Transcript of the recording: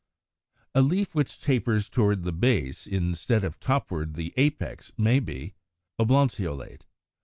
A leaf which tapers toward the base instead of toward the apex may be Oblanceolate (Fig.